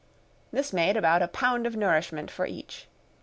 This made about a pound of nourishment for each.